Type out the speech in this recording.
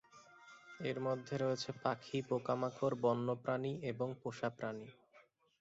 এর মধ্যে রয়েছে পাখি, পোকামাকড়, বন্যপ্রাণী এবং পোষা প্রাণী।